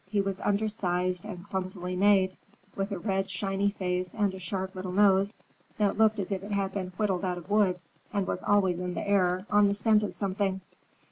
He was undersized and clumsily made, with a red, shiny face and a sharp little nose that looked as if it had been whittled out of wood and was always in the air, on the scent of something.